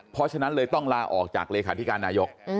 เพราะฉะนั้นเลยต้องลาออกจากเลขาธิการนายก